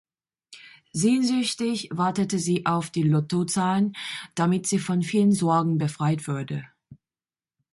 Sehnsüchtig wartete sie auf die Lottozahlen, damit sie von vielen Sorgen befreit würde.